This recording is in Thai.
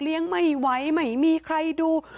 เลี้ยงไม่ไหวไม่มีใครดู